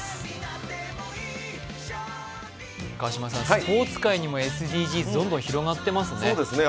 スポーツ界にもＳＤＧｓどんどん広がっていますね。